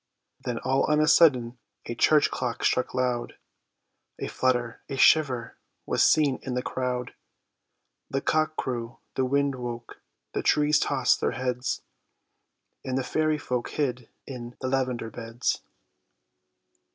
Then all on a sudden a church clock struck loud: A flutter, a shiver, was seen in the crowd, The cock crew, the wind woke, the trees tossed their heads, And the fairy folk hid in the lavender beds.